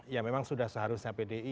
ya memang sudah seharusnya pdi